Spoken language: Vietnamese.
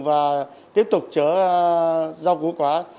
và tiếp tục chở rau củ quả